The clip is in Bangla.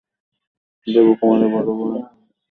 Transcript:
দেবকুমারের বড় ভাই।